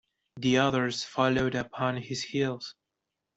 The others followed upon his heels.